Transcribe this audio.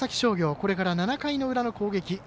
これから７回の裏の攻撃。